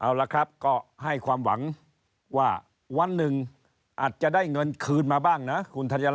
เอาละครับก็ให้ความหวังว่าวันหนึ่งอาจจะได้เงินคืนมาบ้างนะคุณธัญ